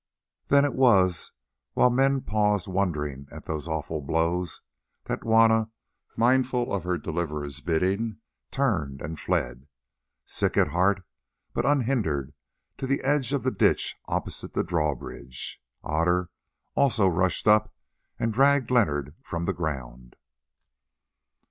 Then it was, while men paused wondering at those awful blows, that Juanna, mindful of her deliverer's bidding, turned and fled, sick at heart but unhindered, to the edge of the ditch opposite the drawbridge. Otter also rushed up and dragged Leonard from the ground.